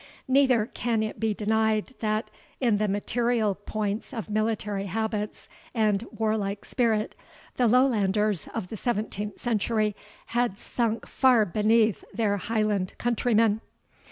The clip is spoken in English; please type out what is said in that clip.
Neither can it be denied, that, in the material points of military habits and warlike spirit, the Lowlanders of the seventeenth century had sunk far beneath their Highland countrymen.